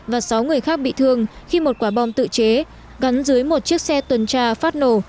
và sáu người khác bị thương khi một quả bom tự chế gắn dưới một chiếc xe tuần tra phát nổ